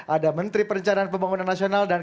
ada menteri perencanaan pembangunan nasional dan